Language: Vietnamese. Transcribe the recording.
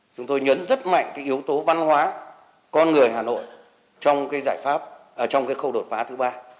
chúng tôi nhấn rất mạnh cái yếu tố văn hóa con người hà nội trong cái khâu đột phá thứ ba